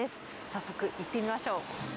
早速、行ってみましょう。